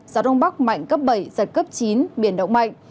gió đông bắc mạnh cấp bảy giật cấp chín biển động mạnh